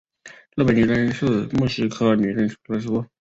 日本女贞是木犀科女贞属的植物。